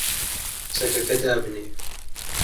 چەکەکە دابنێ!